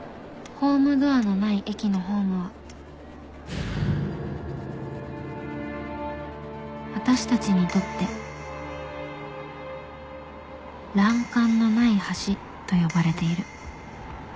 ホームドアのない駅のホームは私たちにとって「欄干のない橋」と呼ばれている